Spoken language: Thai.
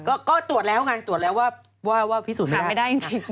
ก็ตรวจแล้วไงตรวจแล้วว่าพิสูจน์งานไม่ได้จริง